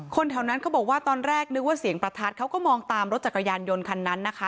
แถวนั้นเขาบอกว่าตอนแรกนึกว่าเสียงประทัดเขาก็มองตามรถจักรยานยนต์คันนั้นนะคะ